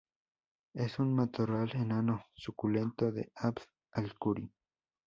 Es un matorral enano suculento de Abd al Kuri.